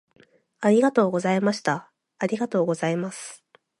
ありがとうございました。ありがとうございます。